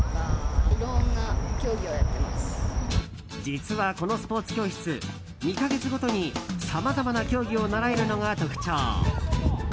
実は、このスポーツ教室２か月ごとにさまざまな競技を習えるのが特徴。